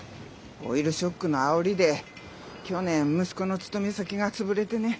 オイルショックのあおりで去年息子の勤め先が潰れてね。